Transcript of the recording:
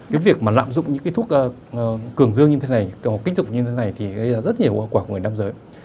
cái việc mà nạm dụng những cái thuốc cường dương như thế này cường kích dục như thế này thì gây ra rất nhiều quả của người nam giới